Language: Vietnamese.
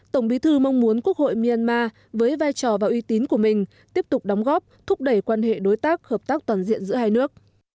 tổng bí thư mong muốn quốc hội myanmar với vai trò và uy tín của mình tiếp tục đóng góp thúc đẩy quan hệ đối tác hợp tác toàn diện giữa hai nước